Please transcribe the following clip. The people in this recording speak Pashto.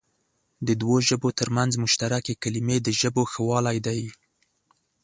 د دوو ژبو تر منځ مشترکې کلمې د ژبو ښهوالی دئ.